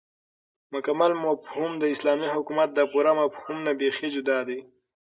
مكمل مفهوم داسلامي حكومت دپوره مفهوم نه بيخي جدا دى